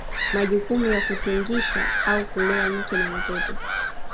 Majukumu ya kutungisha au kulea mke na watoto